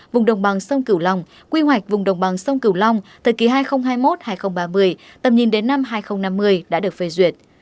vùng đồng bằng sông cửu long quy hoạch vùng đồng bằng sông cửu long thời kỳ hai nghìn hai mươi một hai nghìn ba mươi tầm nhìn đến năm hai nghìn năm mươi đã được phê duyệt